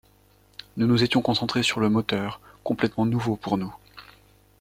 Nous nous étions concentrés sur le moteur, complètement nouveau pour nous.